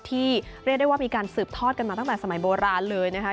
เรียกได้ว่ามีการสืบทอดกันมาตั้งแต่สมัยโบราณเลยนะคะ